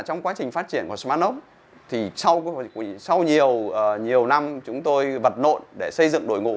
trong quá trình phát triển của smartlock thì sau nhiều năm chúng tôi vật nộn để xây dựng đội ngũ